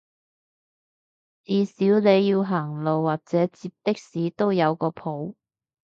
至少你要行路或者截的士都有個譜